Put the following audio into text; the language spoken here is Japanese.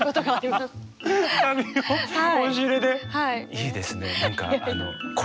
いいですね。